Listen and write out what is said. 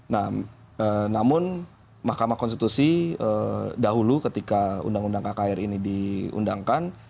nah namun mahkamah konstitusi dahulu ketika undang undang kkr ini diundangkan